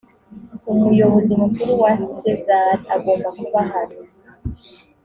umuyobozi mukuru wa sezar agomba kuba ahari